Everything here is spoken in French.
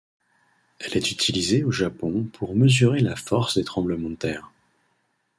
Elle est utilisée au Japon pour mesurer la force des tremblements de terre.